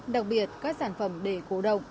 đặc biệt các sản phẩm để cố động